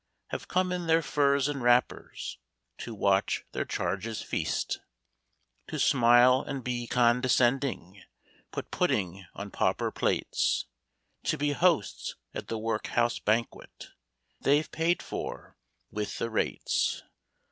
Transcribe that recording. Have come in their furs and v\rapper5. To watch their charges feast ; IN THE WORKHOUSE. . To smile and be condescending, Put pudding on pauper plates, To be hosts at the workhouse banquet They Ve paid for — ^\vith the rates.